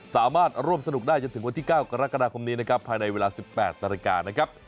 สามารถร่วมสนุกได้จนถึงวันที่๙กรกฎาคมนี้ภายในเวลา๑๘นาที